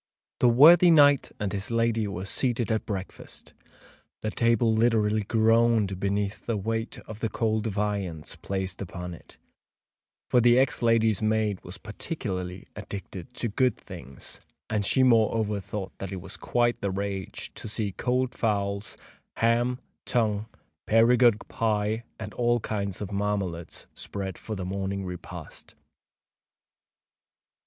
The worthy knight and his lady were seated at breakfast. The table literally groaned beneath the weight of the cold viands placed upon it; for the ex lady's maid was particularly addicted to good things, and she moreover thought that it was "quite the rage" to see cold fowls, ham, tongue, Perigord pie, and all kinds of marmalades spread for the morning repast.